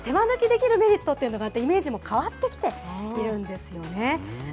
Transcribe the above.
手間抜きできるメリットというのがあって、イメージも変わってきているんですよね。